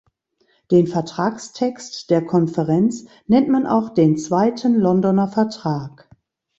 Den Vertragstext der Konferenz nennt man auch den Zweiten Londoner Vertrag.